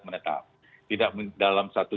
menetap tidak dalam satu